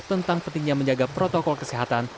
tentang pentingnya menjaga protokol kesehatan